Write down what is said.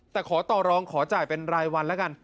แต่ขอต่อรองขอจ่ายเป็นรายวันแล้วกัน